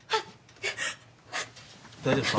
大丈夫ですか？